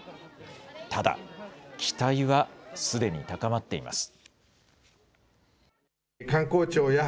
ただ、期待はすでに高まっています。